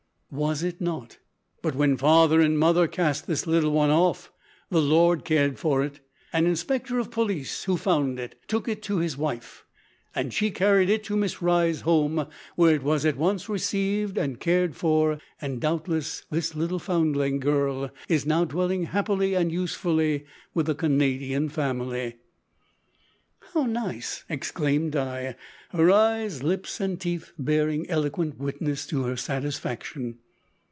"Was it not? But, when father and mother cast this little one off, the Lord cared for it. An inspector of police, who found it, took it to his wife, and she carried it to Miss Rye's Home, where it was at once received and cared for, and, doubtless, this little foundling girl is now dwelling happily and usefully with a Canadian family." "How nice!" exclaimed Di, her eyes, lips, and teeth bearing eloquent witness to her satisfaction.